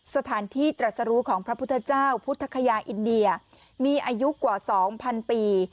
สถานที่ตรัสรู้ของพระพุทธเจ้าพุทธคยาอินเดียมีอายุกว่า๒๐๐ปี